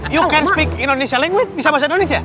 you can speak indonesian language bisa bahasa indonesia